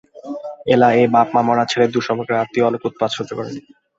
এলা এই বাপ-মা-মরা ছেলের দূরসম্পর্কের আত্মীয়, অনেক উৎপাত সহ্য করে।